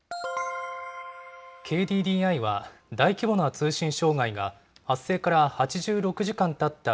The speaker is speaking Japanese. ＫＤＤＩは、大規模な通信障害が発生から８６時間たった